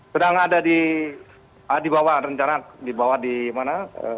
sedang ada di bawah rencana di bawah di mana